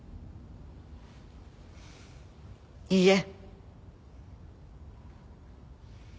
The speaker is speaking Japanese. いいえ。